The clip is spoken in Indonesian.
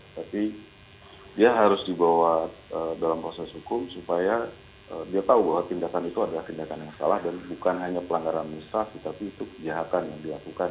tapi dia harus dibawa dalam proses hukum supaya dia tahu bahwa tindakan itu adalah tindakan yang salah dan bukan hanya pelanggaran administrasi tapi itu kejahatan yang dilakukan